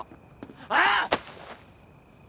ああ！？